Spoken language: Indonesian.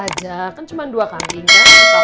boleh aja kan cuma dua kambing kan